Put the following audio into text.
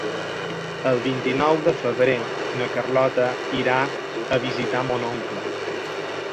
El vint-i-nou de febrer na Carlota irà a visitar mon oncle.